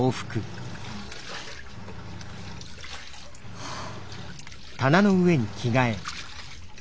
はあ。